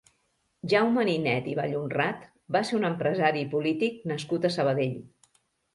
Jaume Ninet i Vallhonrat va ser un empresari i polític nascut a Sabadell.